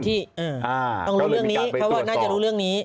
ต้องรู้เรื่องนี้เพราะว่าน่าจะรู้เรื่องนี้